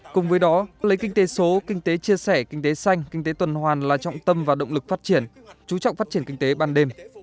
cùng với đó lấy kinh tế số kinh tế chia sẻ kinh tế xanh kinh tế tuần hoàn là trọng tâm và động lực phát triển chú trọng phát triển kinh tế ban đêm